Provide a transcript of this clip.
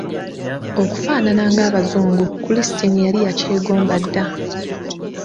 Okufaanana ng'abazungu kulisitini yali yakyegomba dda.